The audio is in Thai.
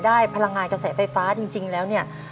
พลังงานกระแสไฟฟ้าจริงแล้วเนี่ย